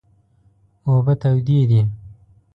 اوبه تودې دي